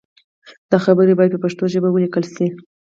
دا خبرې باید په پښتو ژبه ولیکل شي.